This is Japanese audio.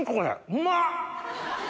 うまっ！